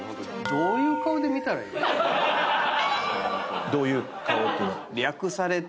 どういう顔というのは？